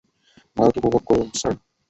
ভারত উপভোগ করুন, স্যার!